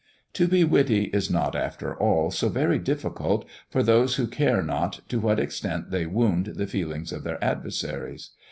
To be witty is not, after all, so very difficult for those who care not to what extent they wound the feelings of their adversaries.